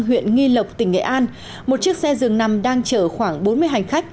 huyện nghi lộc tỉnh nghệ an một chiếc xe dường nằm đang chở khoảng bốn mươi hành khách